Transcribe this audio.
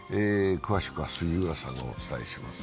詳しくは杉浦さんがお伝えします。